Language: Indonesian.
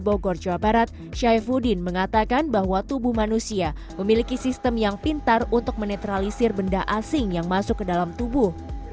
bogor jawa barat syaifuddin mengatakan bahwa tubuh manusia memiliki sistem yang pintar untuk menetralisir benda asing yang masuk ke dalam tubuh